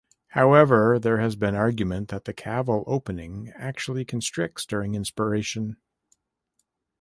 However, there has been argument that the caval opening actually constricts during inspiration.